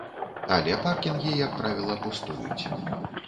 Але паркінгі, як правіла, пустуюць.